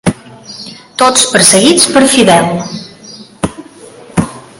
Tots perseguits per Fidel.